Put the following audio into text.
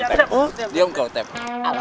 tep diam lah nanti cewekmu kau itu